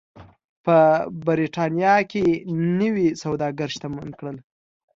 په برېټانیا کې نوي سوداګر شتمن کړل.